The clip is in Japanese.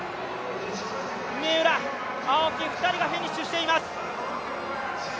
三浦、青木２人がフィニッシュしています。